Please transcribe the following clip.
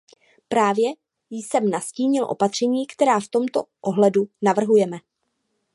Právě jsem nastínil opatření, která v tomto ohledu navrhujeme.